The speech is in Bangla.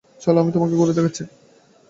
চলো, আমি তোমাকে ঘুরে দেখাচ্ছি।